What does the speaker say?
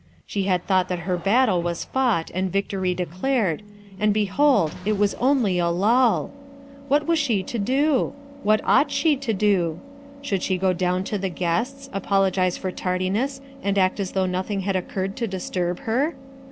She had thought that her battle was fought and victory declared, and behold it was only a lull! What was she to do? What ought she to do? Should she go down to the guests, apologize for tardiness, and act as though nothing had occurred to disturb her?